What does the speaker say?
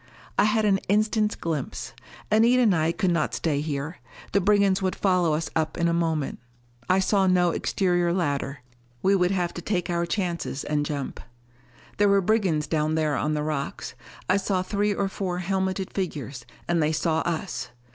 I had an instant's glimpse. Anita and I could not stay here. The brigands would follow us up in a moment. I saw no exterior ladder. We would have to take our chances and jump. There were brigands down there on the rocks. I saw three or four helmeted figures, and they saw us!